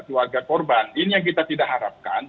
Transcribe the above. keluarga korban ini yang kita tidak harapkan